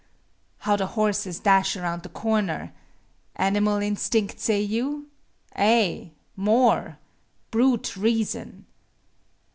How the horses dash around the corner! Animal instinct say you? Aye, more. Brute reason.